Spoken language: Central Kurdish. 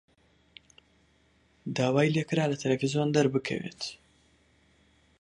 داوای لێ کرا لە تەلەڤیزیۆن دەربکەوێت.